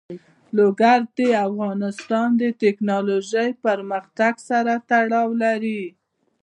لوگر د افغانستان د تکنالوژۍ پرمختګ سره تړاو لري.